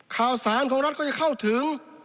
ข่าวสารของรัฐก็จะเข้าถึง